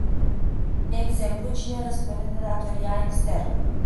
De exemplu cine răspunde de datoria externă.